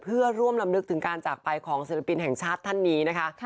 เพื่อร่วมลำลึกถึงการจากไปของศิลปินแห่งชาติท่านนี้นะคะ